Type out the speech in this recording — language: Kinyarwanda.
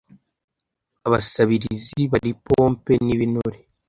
abasabirizi bari pompe n'ibinure